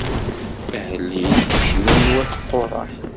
Ahellil, ccna n wat Quraḥ.